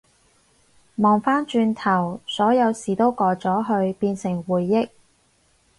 望返轉頭，所有事都過咗去變成回憶